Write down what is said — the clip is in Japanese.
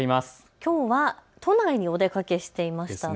きょうは都内にお出かけしていましたね。